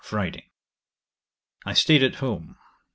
Friday. I staid at home.